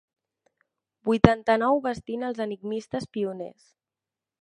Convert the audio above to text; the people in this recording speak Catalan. Vuitanta-nou bastint els enigmistes pioners.